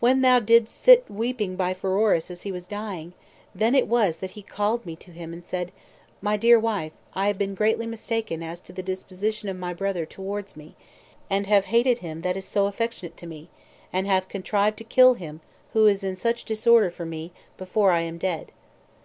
When thou didst sit weeping by Pheroras as he was dying," then it was that he called me to him, and said, "My dear wife, I have been greatly mistaken as to the disposition of my brother towards me, and have hated him that is so affectionate to me, and have contrived to kill him who is in such disorder for me before I am dead.